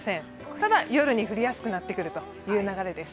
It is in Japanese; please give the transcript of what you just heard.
ただ夜に降りやすくなってくるという流れです。